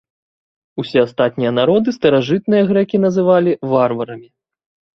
Усе астатнія народы старажытныя грэкі называлі варварамі.